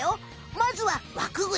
まずは輪くぐり！